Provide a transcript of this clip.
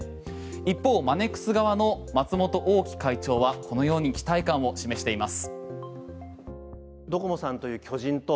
一方、マネックス側の松本大会長はこのように期待感を示しています。